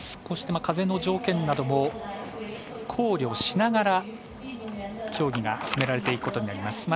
こうして風の条件なども考慮しながら競技が進められていくことになります。